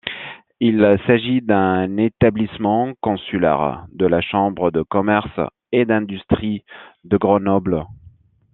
Il s'agit d'un établissement consulaire de la chambre de commerce et d'industrie de Grenoble.